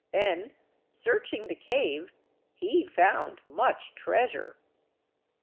Then, searching the cave, he found much treasure.